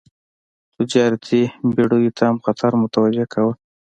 تجارتي بېړیو ته هم خطر متوجه کاوه.